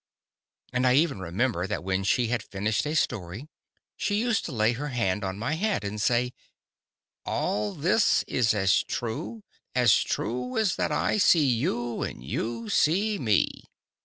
And I even remember that when she had finished a story, she used to lay her hand on my head and say: "All this is as true, as true as that I see you and you see me."